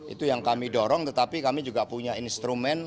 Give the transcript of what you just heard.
itu yang kami dorong tetapi kami juga punya instrumen